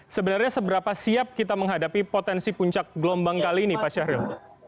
sebenarnya seberapa siap kita menghadapi potensi puncak gelombang kali ini pak syahril